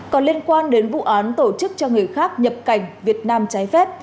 còn liên quan đến vụ án tổ chức cho người khác nhập cảnh việt nam trái phép